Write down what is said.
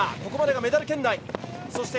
ここまでがメダル圏内。